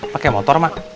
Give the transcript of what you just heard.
pakai motor mak